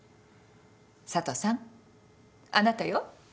佐都さんあなたよ。